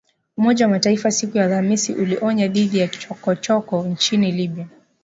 Umoja wa Mataifa siku ya Alhamisi ulionya dhidi ya chokochoko nchini Libya